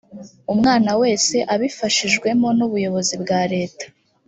umwana wese abifashijwemo n ubuyobozi bwa leta